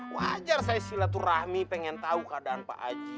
wajar saya silaturahmi pengen tahu keadaan pak aji